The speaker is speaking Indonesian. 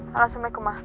halo assalamualaikum mbak